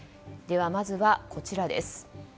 ではまずはこちらです。